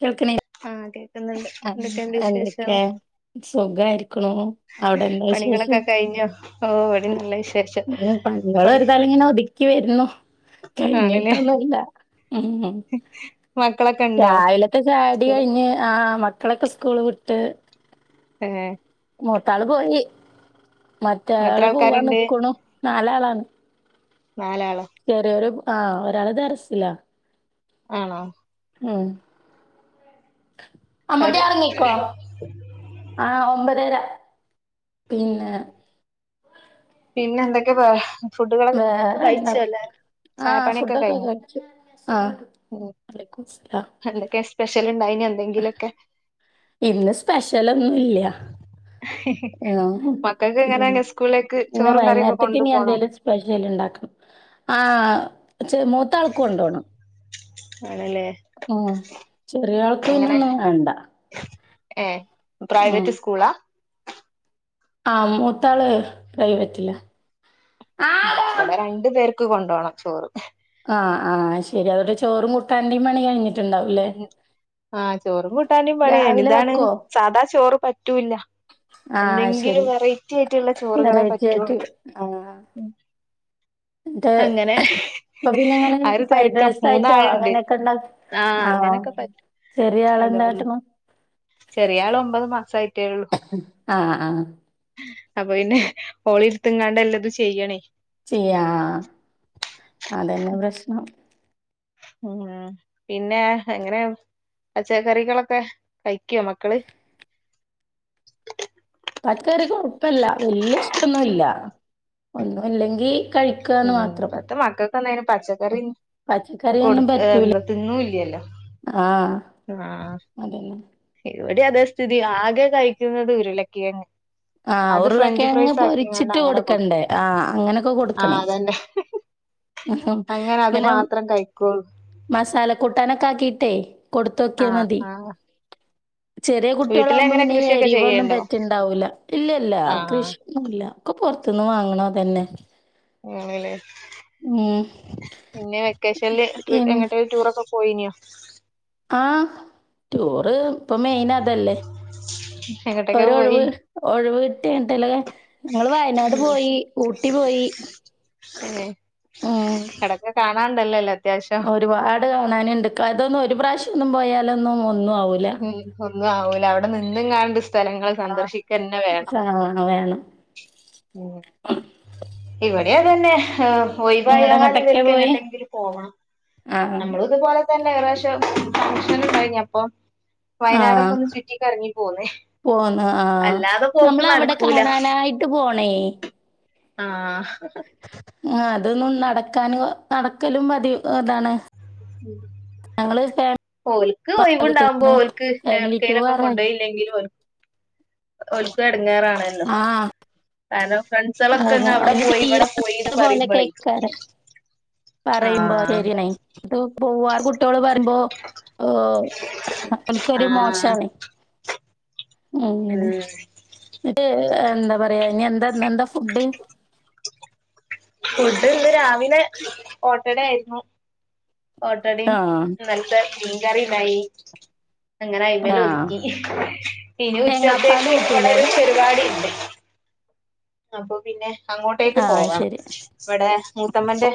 കേൾക്കണി ആഹ് കേക്കുന്നുണ്ട് ആ എന്തൊക്കെന്റെ വിശേഷം എന്തൊക്കെ സുഖായിരിക്കണു അവിടെ എന്താ വിശേഷം പണികളൊക്കെ കഴിഞ്ഞോ? ഓഹ് ഇവടീം നല്ല വിശേഷം. ഉം പണികള് പണി ഒരുതല ഇങ്ങനെ ഒതുക്കി വരുന്നു ആണല്ലേ കഴിഞ്ഞിട്ടൊന്നൂല്ല. ഉം ഉം മക്കളൊക്കെ ഉണ്ടോ രാവിലത്തെ ചായൊടി സ്കൂള് കഴിഞ്ഞ് ആഹ് മക്കളൊക്കെ സ്കൂള് വിട്ട് തന്നേ? മൂത്താള് പോയി എത്ര മറ്റയാള് ആൾക്കാരുണ്ട് പോവാനിക്ക്ണു നാലാളാണ്. നാലാളാ ചെറിയൊരു ആഹ് ഒരാള് ദർസിലാ. ആണോ? ഉം അമ്മുട്ടി അവര് എറങ്ങിക്കോ. ആഹ് ഒമ്പതര പിന്നെ പിന്നെ എന്തൊക്കെ [unintelligible] വേറെന്താ കഴിച്ചോ എല്ലാരും ആഹ് ചായപ്പണിയൊക്കെ ഫുഡക്കെ കഴിഞ്ഞോ കഴിച്ചു ആഹ്. വലൈക്കും മുസ്സലാം. എന്തക്കെ സ്പെഷ്യല്ണ്ടായിന് എന്തെങ്കിലൊക്കെ? ഇന്ന് സ്പെഷ്യലൊന്നും ഇല്ല്യാ. ആഹ് മക്കൾക്ക് എങ്ങനെ ഇല്ലല്ല സ്കൂളിലേക്ക് [unintelligible] ചോറും കറിയൊക്കെ കൊണ്ടു വൈന്നേരത്തിക്കിഞ്ഞി പോണോ എന്തേലും സ്പെഷ്യല് ഇണ്ടാക്കണം ആഹ് ചെർ മൂ ത്താൾക്കൊണ്ടോണം ആണല്ലേ ഉം ചെറിയ ആൾക്ക് പിന്നെ എങ്ങനെ ഒന്നും വേണ്ട. ഏഹ് ഉം പ്രൈവറ്റ് സ്കൂളാ? ആ മൂത്താള് പ്രൈവറ്റിലാ. ഉം ആഹ് ഇവടെ രണ്ട് പേർക്ക് കൊണ്ടോണം ചോറ്. ആഹ് ആഹ് അഹ്ശരി അതോണ്ട് ചോറും കൂട്ടാൻന്റിം പണി കഴിഞ്ഞ് ആഹ് ചോറും കൂട്ടാന്റീം പണി കയ്ഞ്ഞ് രാവിലെ ഇതാണ് വെക്കോ? സാധാ ചോറ് പറ്റൂല്ല. ആഹ് ശരി എന്തെങ്കിലും വെറൈറ്റി ആയിട്ടുള്ള ചോറ്കളെ വെറൈറ്റി പറ്റൊള്ളൂ. ആയിട്ട് ആഹ് ന്നിട്ട് അങ്ങനെ ഇപ്പൊ പിന്നെ ഇങ്ങനെ ആഹ് ഒര് ഫ്രൈഡ് തെരക്ക റൈസ് ആയിട്ടോ മൂന്നാള്ണ്ട്. അങ്ങനെയൊക്കെ ഇണ്ടാ ആഹ് അങ്ങനെക്കെ പറ്റും. ചെറിയ ആളെന്താട്ട്ന്ന്? ചെറിയാള് ഒമ്പത് മാസായി. ആഹ് ആഹ് അപ്പ പിന്നെ ഓളി ഇട്ത്ത്ങ്ങാണ്ട് എല്ലതും ചെയ്യണേ. ചെയ്യാ അതന്നെ പ്രശ്നം. ഉം പിന്നെ എങ്ങനെ പച്ചക്കറികളൊക്കെ കഴിക്കോ മക്കള്? പച്ചകറി കൊഴപ്പല്ല വല്ല്യേ ഇഷ്ട്ടൊന്നൂല്ല ഒന്നുല്ലെങ്കി കഴി ഉം ഇപ്പത്തെ മക്കൾക്കൊന്നയ്ന് പച്ചക്കറി കൊടു പച്ചക്കറിയൊന്നും ഏഹ് പറ്റൂല. ന്ത തിന്നൂല്ലല്ലോ? ആഹ് ആഹ് അതന്നെ. ഇവടീം അതെ സ്ഥിതി ആകെ കഴിക്കുന്നത് ഉരുളക്കിഴങ്ങ്. ആഹ് അത് ഉരുള ഫ്രഞ്ച് കിഴങ്ങ് ഫ്രൈസ് ആക്കിങ്ങാണ്ട് പൊരിച്ചിട്ട് അങ്ങനെ കൊടുക്കണ്ടേ കൊടുക്കും ആഹ് അങ്ങനൊക്കെ ആ കൊടുക്കണേ. അതന്നെ അങ്ങനെ അത് ഇങ്ങനെ മാത്രം കഴിക്കോള്ളൂ മസാല കൂട്ടാനൊക്കെ ആക്കിട്ടേ കൊടുത്തോക്കിയ ആഹ് മതി. ആഹ് ചെറിയ കുട്ട്യളാകുമ്പോ വീട്ടിലങ്ങനെ പിന്നെ ഈ കൃഷിയൊക്കെ എരിവൊന്നും ചെയ്യണ്ടോ പറ്റിണ്ടാവൂല്ല. ഇല്ലല്ല ആഹ് ആഹ് കൃഷ് യൊന്നൂല്ല ഒക്കെ പൊർത്ത്ന്ന് വാങ്ങ്ണതന്നെ. ആണ്ല്ലേ? പിന്നെ വെക്കേഷൻല് പോയ് പിൻ എങ്ങട്ടേലും ടൂറൊക്കെ പോയിനോ? ആഹ് ടൂറ് ഇപ്പൊ മെയിൻ അതല്ലേ. എങ്ങട്ടൊക്കെ പോയി ഒരൊഴിവ് ഒഴിവ് കിട്ടിയാതല്ലെ ഞങ്ങള് വയനാട് പോയി ഊട്ടി പോയി. ഏഹ് ഉം കാണാണ്ടല്ലല്ലോ അത്യാവശ്യം ഒരുപാട് കാണാനുണ്ട് അതൊന്നും ഒരു പ്രാവശ്യം ഒന്നും പോയാലൊന്നും ഒന്നും ആവില്ല ഉം ഒന്നും ആവൂല അവിടെ നിന്നും കാണ്ട് സ്ഥലങ്ങൾ ആഹ്. സന്ദർശിക്കന്നെ വേണം സാ വേണം. ഇവിടെയാതന്നെ ആഹ് ഒയിവയാൽ നിങ്ങളെങ്ങട്ടൊക്കെയാ ഇവർക്ക് പോയെ? എങ്ങോട്ടെങ്കിലും പോകണം ആഹ് നമ്മൾ ഇതുപോലെ തന്നെ ഒരുപ്രാവശ്യം ഫഗ്ഷൻ കഴിഞ്ഞ അപ്പൊ വയനാടൊക്കെ ആഹ് ഒന്ന് ചുറ്റി കറങ്ങി പോന്നേ പോന്ന് ആഹ് നമ്മള അവിടെ കാണാനായിട്ട് പോണേ ആഹ് അതൊന്നും നടക്കാനും നടക്കലും മതി അതാണ് ഉം ഓൽക്ക് ഒഴിവ്ണ്ടാവുമ്പോ വീട്ട്ന്ന് ഓക്ക് ഫാമിലി എങ്ങോട്ട് ലെക്കെ ടൂറായി. കൊണ്ടുപോയില്ലെങ്കിലും ഒൽക്ക എടങ്ങെറാണ് ആഹ്. കാരണം ഫ്രണ്ട്സൊക്കെ അങ്ങനെ അവിടെ പിന്നെ പോയി ഇവിടെ തീരെ പോയിന്ന് പറയുമ്പോഴേ പോലൊക്കേക്കാരം. പറയുമ്പോ ശരിയാണെ പോവാ ആഹ് കുട്ടികള് പറയുമ്പോ ഓ അപ്പൾക്ക ഒരു ആ മോശണെ അങ്ങനെ ഉം എന്നിട്ട് എന്താ പറയാ ഇന്ന് എന്താ എന്താ ഫുഡ് ഫുഡ് ഇന്ന് രാവിലെ ഓട്ടഡ ആയിരുന്നു ഓട്ടടയും ആഹ് ഇന്നലത്ത മീൻകറിണ്ടായി അങ്ങനെ അയിമേൽ ആഹ് ഒതുക്കി ഇനി തേങ്ങാപ്പാല് ഉച്ചത്തേക്ക് ഇങ്ങടെ കൂട്ടൂലേ ഒരു പരിപാടി ഉണ്ട് അപ്പൊ പിന്നെ അങ്ങോട്ടേക്ക് ആഹ് പോകണം ശരി ഇവിടെ മൂത്തമ്മന്റെ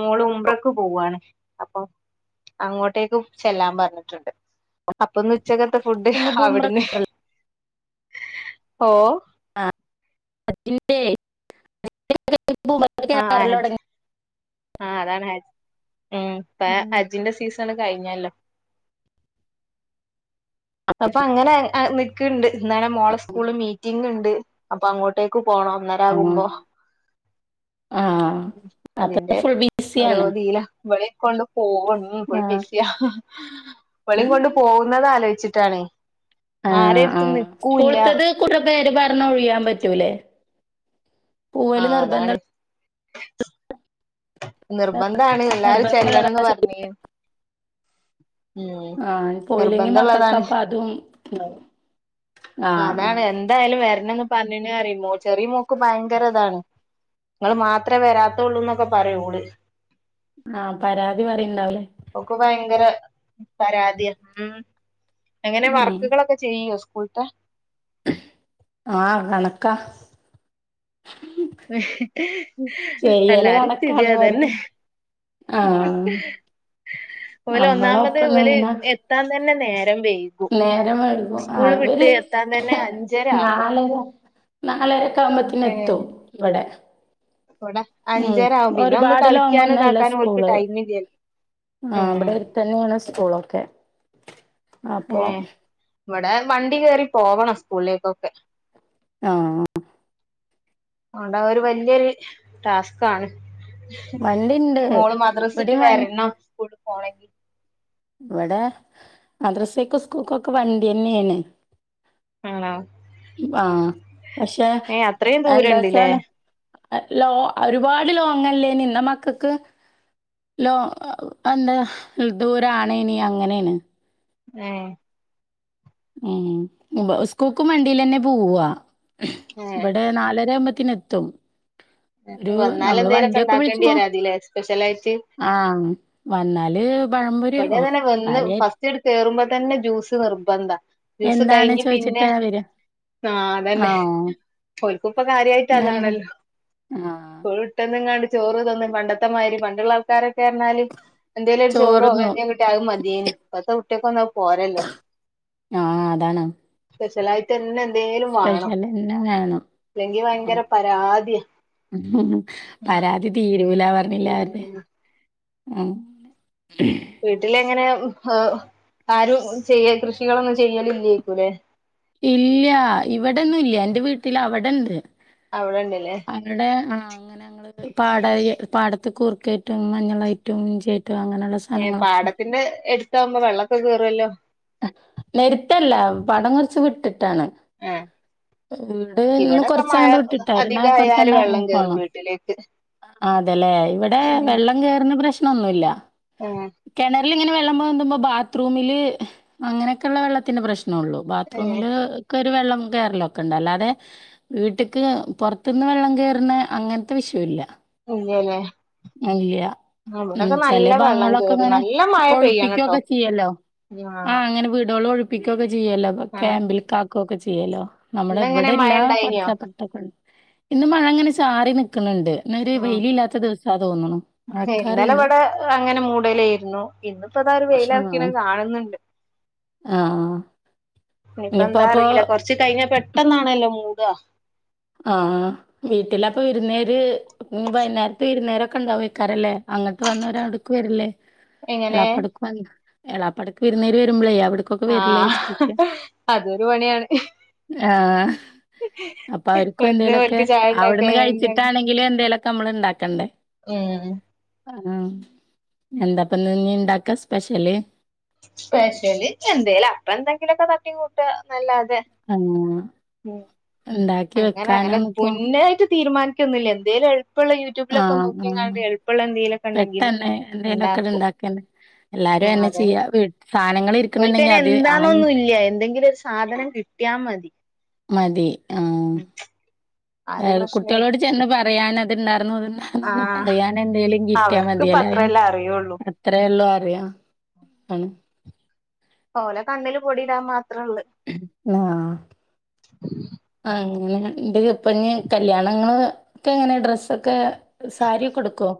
മോള് ഉുമ്പ്രക്ക് പോവാണ് അപ്പൊ അങ്ങോട്ടേക്ക് ചെല്ലാൻ പറഞ്ഞിട്ടുണ്ട് അപ്പൊ ഇന്ന് ഉച്ചക്കത്തെ ഫുഡ് ഇനിയിപ്പോ ഉംറ അവിടന്ന് ഓ [unintelligible] ആഹ് അതാണ് ഹജ ഉം പ്പ ഉം ഹജിന്റെ സീസൺ കഴിഞ്ഞല്ലോ അപ്പൊ അങ്ങനെ നിക്കണ്ട് ഇന്നണെ മോളെ സ്കൂള് മീ റ്റിങ്ങ് ഉണ്ട് അപ്പൊ അങ്ങോട്ടേക്ക് പോണം അന്നേര ഉം ആകുമ്പോ ആഹ് അപ്പൊ അതിന്റെ ഫുൾ ഓരോ ബിസിയാണ് ഇതില് ഇവരെക്കൊണ്ട് പോകുന്നു ഇപ്പോ ബ ആഹ് സിയ ഇവള കൊണ്ട് പോകുന്നത് ആലോചിച്ചിട്ടാണ് ആരെടുത്തും നിക്കൂല്ല കുട്ടി പേര് പറഞ്ഞ ഒഴിയാൻ പറ്റൂലേ പോവല് ആഹ് അതാണ് നിർബന്ധ നിർബന്ധാണ് എല്ലാരും നിർബന്ധള്ള ചെല്ലണംന്ന് പറഞ്ഞ ആഹ് പോയില്ലെങ്കി നിർബന്ധള്ളതാണ് മക്കക്കെ അപ്പൊ അതും ആഹ് അതാണ് ആഹ് എന്തായാലും വരണന്ന് പറഞ്ഞ അറിയ ചെറിയ മോക്ക് ഭയങ്കര ഇതാണ് നിങ്ങള് മാത്രമേ വരാത്തുള്ളൂ എന്നൊക്കെ പറയൂ ഓള് ആഹ് പരാതി പറയണ്ടാവലേ ഒക്ക് ഭയങ്കര പരാതി ഉം അങ്ങനെ ഉം വർക്കുകളൊക്കെ ചെയ്യോ സ്കൂൾത്തെ ആഹ് കണക്കാ ചെയ്യല് എല്ലാരേം സ്ഥിതി കണക്കാണ് പറയാ അതെന്നെ ആഹ് ഓല് ഒന്നാമത് നമ്മളൊപ്പം ഓല് എത്താൻ തന്നെ നേരം വയ്ക്കും നേര വൈകും അവര് തന്നെ അഞ്ചര ആകും നാലര നാലരക്ക ആവുമ്പോത്ത എത്തും ഇവിടെ ഇവിട അഞ്ചര ആവും പിന്നെ ഒന്ന് ഒരുപാട് കളിക്കാനോ ലോങ്ങൊന്നല്ല ഇതാക്കാനോ അവക്ക് സ്കൂള് ടൈമ ഇില്ലല്ലോ ഉം തന്നെയാണ് സ്കൂൾ ഒക്കെ ഉം ഇവിടെ വണ്ടി കയറി പോവണം സ്കൂളിലേക്കൊക്കെ ആഹ് ണ്ട ഒരു വല്യൊരു ടാസ്കാണ് വണ്ടിണ്ട് മോള് മദ്രസ ഇട്ട് ഇവടിം വണ്ടി വരണം സ്കൂൾ പോണെങ്കി ഇവടെ മദ്രസീക്കും സ്കൂൾക്കൊക്കെ വണ്ടി ന്നെയാണ് ആണോ ആഹ് പക്ഷെ ഏ [unintelligible] അത്രയും അത് ദൂരണ്ട്ല്ലേ ലോ ഒരുപാട് ലോങ്ങല്ലേനും ഇള്ള മക്കക്ക് ലോ എന്താ ദൂരണ് ഇനി അങ്ങനെണ് എഹ് ഉംഇബ സ്കൂക്കും വണ്ടിലെ ന്നെ പോവാ ഏ ഇബടെ നാലരാമ്പത്തിന എത്തും നേരത്തെ ഒരു വന്നാലെ നമ്മള് എന്തേലുക്കെ വണ്ടിയൊക്കെ വിളിച്ചു ഇണ്ടാക്കേണ്ടി പോ വരാതില്ലേ സ്പെഷ്യലായിട്ട് ആഹ് വന്നാല് പഴപൊരി യോകാര്യയിട്ട് ച്ചീട് കേറുമ്പോ തന്നെ ജ്യൂസ് നിർബന്ധ ജ്യൂസ് എന്താണ് കയിഞ്ഞ് പിന്നെ ചോയിച്ചിട്ടാ വരാ ആഹ് അതന്നെ ആഹ് ഒരുക്കുപ്പോ കാര്യായിട്ട് ഇന്നെന്താ അതാണല്ലോ ആഹ് ട്ടന്നുംങ്ങാണ്ട് ചോറ് തിന്നും പണ്ടത്തെമാതിര് പണ്ടുള്ള ആൾക്കാരൊക്കെ പറഞ്ഞാല് എന്തേലോരു ചോറോ ചോറ്ന്നും കിട്ട്യാ അത് മതേനി ഇപ്പത്തെ കുട്ട്യാക്കൊന്നും പോരല്ലോഅത് പോരല്ലോ ആഹ് അതാണ് സ്പെഷ്യലായിട്ട്ന്നെ എന്തേലും വേണം സ്പെഷ്യലെന്നെ വേണം. അല്ലെങ്കി ഭയങ്കര പരാത്യാ ഉം പരാതി തീരൂല പറഞ്ഞില്ല അര്ടെ ഉം അഹ് വീട്ടിലെങ്ങനെ യാഉ ആരും ചെയ്യ കൃഷികളൊന്നും ചെയ്യല് ഇല്ലേക്കൂല്ലേ ഇല്ല ഇവിടെന്നും ഇല്ല ഇന്റെ വീട്ടില് അവിടെണ്ട് അവിടെണ്ടല്ലേ അവടെ ആഹ് അങ്ങനെ ഞങ്ങള് ക്ക് പാട പാടത്ത് കൂർക്കായിട്ടും മഞ്ഞളായിട്ടും ഇഞ്ചിആയിട്ടും അങ്ങനെയുള്ളസ് ഏഹ് പാടത്തിന്റെ എടുത്ത ആകുമ്പോ വെള്ളക്കെ കേറുല്ലോ എട്തല്ല പാടം കോറച്ച് വിട്ടിട്ടാണ് ഏഹ് വീട് ഇന്ന് കൊറച്ചങ്ങോട്ട് വിട്ടിട്ടാ അധികായാല് വെള്ളം കേറും [unintelligible] വീട്ടിലേക്ക് അതെല്ലേ ഇവിടെ വെള്ളം കേറുന്ന പ്രശ്നന്നുല്ല ഉം കെണറിൽ ഇങ്ങനെ വെള്ളം പോന്തുമ്പോ ബാത്റൂമില് അങ്ങനൊക്കെള്ള വെള്ളത്തിന്റെ പ്രശ്നള്ളു ഏഹ് ബാത്റൂമില് ഒക്കരു വെള്ളം കേയറലൊക്കെണ്ട് അല്ലാതെ വീട്ടിക്ക് പോറത്ത് ന്ന് വെള്ളം കേറുന്ന അങ്ങനത്തെ വിഷയില്ല ഇല്ലല്ലേ ഇല്ല ഉം ഇവിടൊക്കെ ചെല നല്ല വെള്ളം ഭാഗങ്ങളൊക്കെ കേറും ഇങ്ങനെ നല്ല മഴ പെയ്യണട്ടോ ഒഴിപ്പികോക്കെ ചെയ്യല്ലോ ആഹ് അങ്ങനെ വീടോൾ ഒഴിപ്പിക്കൊക്കെ ചിയ്യല്ലോ ആഹ് ക്യാമ്പിൽ കാക്കുകൊക്കെ ചിയ്യല്ലോ നമ്മുടെ ഇന്നെങ്ങനെ വിടെല്ല മഴ ഇണ്ടായിനോ കൊറച്ചപ്പർ തോക്കണ്ട് ഇന്ന് മഴ ഇങ്ങനെ ചാറി നിക്കുന്നുണ്ട് ഇന്നോരു വെയിലില്ലാത്ത ദിവസാ തോന്നുണു മഴക്കാറുണ്ട് ഇന്നലെവിടെ അങ്ങനെ മൂടലെരുന്നു ഇന്നിപ്പോതാ ഒരു വെയിലറിക്കിണ കാണുന്നുണ്ട് ആഹ് ഇനിയിപ്പ പ്പോ ച്ച് കയിഞ്ഞ പെട്ടന്നാണല്ലോ മൂട ആഹ് വീട്ടിലപ്പൊ വിരുന്നേര്ഇഞ്ഞി വൈന്നേരത്തെ വിരുന്നേരൊക്കെ ഇണ്ടാവ ക്കാരല്ലേ അങ്ങട്ട് വന്നവരാവിട്‌ക്ക് വര്ല്ലേ എങ്ങനെ എളാപ്പടുക്ക വന്ന് എളാപ്പടക്ക് വിരുന്നേര് വരുമ്പോളേ അവിടുക്ക് ആഹ് അതൊരു പണിയാണ് ആഹ് അപ്പൊ അവര്ക്കും വന്ന് എന്തേലുക്കെ ഓൽക്ക് ചായ അവിടുന്ന് ഉണ്ടാക്കാന്നല്ലാണ്ട് കഴിച്ചിട്ടാണെങ്കിലും എന്തേലുക്കെ നമ്മള് ഇണ്ടാക്കണ്ടേ ഉം ആഹ് എന്താപ്പന്ന് ഇഞ്ഞി ഇണ്ടാക്ക സ്പെഷ്യല് സ്പെഷല് എന്തേലും അപ്പ എന്തെങ്കിലുക്കെ തട്ടി കൂട്ടനല്ലാതെ [unintelligible] ഉം ഇണ്ടാക്കി അങ്ങനെ അങ്ങനെ വെക്കാനൊന്നുപ്പോ മുന്നായിട്ട് തീരുമാനിക്കൊന്നില്ല എന്തേലും എളുപ്പള്ള യൂട്യൂബിലൊക്കെ ആഹ് നോക്കി ആഹ് കണ്ട് എളുപ്പള്ള എന്തെങ്കിലുക്കെ ഉണ്ടെങ്കിൽ പെട്ടെന്ന് എന്തേലൊക്കെട് ഉണ്ടാക്കും [unintelligible] ഉം അതന്നെ ചെയ്യാ. വീ സാനങ്ങള് ഓല്ക് ഇരിക്ക്ണ്‌ണ്ടെങ്കി അയിന് അത് എന്താ ആയി ഒന്നും ഇല്ല എന്തെങ്കിലും സാധനം കി ട്ടിയ മതി മതി ഉം ആ ഒരു ആ പ്രശ്നല്ല കുട്ട്യാളോട് ചെന്ന് പറയാൻ അതുണ്ടായിരുന്നു ഇത് ഉണ്ടാ ആഹ് പറയാൻ എന്തെങ്കിലും കിട്ടിയാൽ അവർക്ക് ഇപ്പ മതിയല്ലോ അയ്ൻ ആഹ് അത്രല്ലേ അറിയുള്ളൂ മാത്രം ഉള്ളു അറിയ ആണ് ഓലെ കണ്ണിൽ പൊടി ഇടാൻ മാത്രം ഇളെ ആഹ് [unintelligible] ആഹ് അങ്ങനുണ്ട് ഇപ്പൊ ഇനി കല്യാണങ്ങൾക്ക് ഒക്കെ എങ്ങനെയാ ഡ്രസ്സൊക്കെ സാരിയൊക്കെ ഉടുക്കുവോ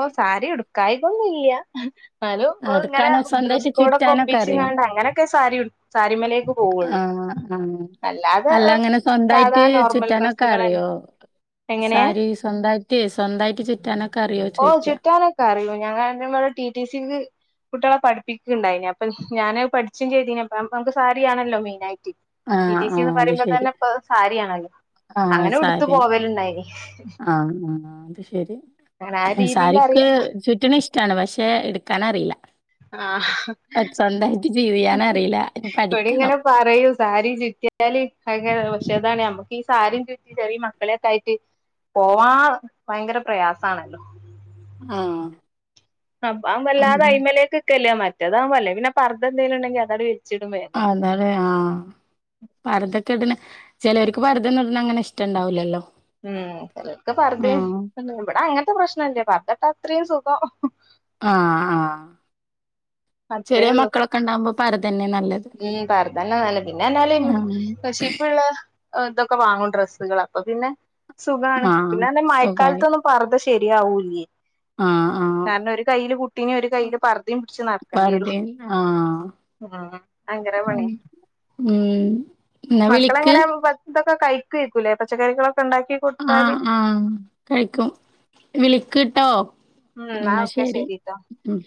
ഓഹ് സാരി ഉടുക്കായി കൊന്നില്ല ഇന്നാലും ഓല് ഇങ്ങനെ എടുക്കാനോ സ്വന്തായിട്ട് ഡ്രസ്സ്‌ ചുറ്റാനൊക്കെ അറിയോ? ഒപ്പിച്ചാണ്ട് അങ്ങനെ ഒക്കെ സാരി സാരിമേലേക്ക് പോവുള്ളു ആഹ് ആഹ് അല്ലാതെ അല്ല ഏഹ് അങ്ങനെ സാധാ സ്വന്തായിട്ട് നോർമൽ ചുറ്റാനൊക്കെ ഡ്രെസ്സുകളന്നെ അറിയോ? എങ്ങനെ സാരി സ്വന്തായിട്ട് സ്വന്തായിട്ട് ചുറ്റാനൊക്കെ അറിയോ ഓഹ് ചോയിക്ക. ചുറ്റാനൊക്കെ അറിയോ ഞങ്ങ നിങ്ങടെ ടി ടിസി ക്ക് കുട്ടികളെ പഠിപ്പിക്കണ്ടായിതിനെ അപ്പൊ ഞാന് പഠിച്ചും ചെയ്തി നമുക്ക് സാരിയാണല്ലോ മൈനായിട്ട് ടി ആഹ് ടി സി ന് ആഹ് അത് പറയുമ്പോ ശരി. തന്നെ ഇപ്പൊ സാരിയാണല്ലോ ആഹ് അങ്ങനെ ഉടുത്ത് സാരി പോവലുണ്ടായിനി ആഹ് ആഹ് അത് ശരി അങ്ങനെ ആ രീതിൽ സാരിക്ക് അറിയാം ചുറ്റനേ ഇഷ് ട്ടാണ് പക്ഷെ എടുക്കാനറിയില്ല ആ സ്വന്തായിട്ട് ചെയ്യാൻ അറിയൂല ഇവിടെ പഠിക്കണം ഇങ്ങനെ പറയൂ സാരി ചുറ്റിയാല് ഭയങ്കര പക്ഷെ അതാണ് നമ്മുക്ക് ഈ സാരിയും ചുറ്റി ചെറിയ മക്കളെക്ക ആയിട്ട് പോവാൻ ഭയങ്കര പ്രയാസാണല്ലോ ആഹ് അപ്പ ഉം വല്ലാതെ അയമെക്ക് നിക്കലില്ല മറ്റേത് ആകുമ്പോ അല്ലെ പിന്നെ പർദ്ദ എന്തെങ്കിലും ഉണ്ടങ്കിൽ അതായിട്ട് അതല്ലേ ആഹ് പർദ്ദ യൊക്കെ ഇടുന്ന ചിലവർക്ക് പർദ്ദ യൊന്നും ഇടുന്നെ അങ്ങനെ ഇഷ്ടണ്ടാവില്ലല്ലോ ഉം ചിലർക്ക് പറുദ്ദേം ഇവിടെ അങ്ങനത്തെ പ്രശ്നല്ല പർദ്ദ ഇട്ട അത്രയും സുഖം ആഹ് ആഹ് [inaudible] ചെറിയ അത്രേയുള്ളൂ മക്കളൊക്കെ ഇണ്ടാവുമ്പോ പർദ്ദന്നെ നല്ലത്. ഉം പർദ്ദ തന്ന നല്ലത് ആഹ് [unintelligible] കഷിപ്പുള്ള ഇതൊക്കെ വാങ്ങും ഡ്രെസ്സുകൾ അപ്പൊ പിന്നെ സുഖാണ് ആഹ് പിന്നെന്ന സുഖായി മയക്കാലത്തൊന്നും പർദ്ദ ശരിയാവൂല്ലേ ആഹ് ആഹ് കാരണം ഒരു കയ്യില് കുട്ടിന് ഒരു കയ്യില് പർദ്ദയും പിടച്ച് നട പർദ്ദയിം ആഹ് ഭയങ്കര പണിയാ ഉം ഇന്ന വിളിക്ക് ഇപ്പ ഇതൊക്കെ കഴിക്കേയ്കുലെ പച്ചക്കറികളൊക്കെ ഉണ്ടാക്കി കൊടുത്താല് ആഹ് ആഹ് കഴിക്കും വിളിക്കുട്ടോ ഉം ന്നാ എന്ന ഒക്കെ ശരി ശരിട്ടോ ഉം